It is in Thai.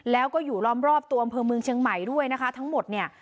แล้วก็อยู่ล้อมรอบตัวอำเภอเมืองเชียงใหม่ด้วยนะคะทั้งหมดเนี่ย